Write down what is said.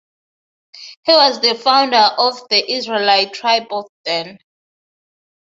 He was the founder of the Israelite Tribe of Dan.